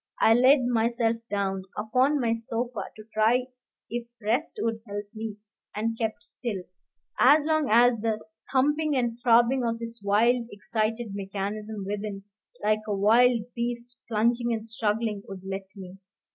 I laid myself down upon my sofa to try if rest would help me, and kept still, as long as the thumping and throbbing of this wild, excited mechanism within, like a wild beast plunging and struggling, would let me.